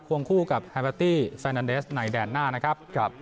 ควงคู่กับแฮมพาตี้แฟนันเดสไหนแดดหน้านะครับ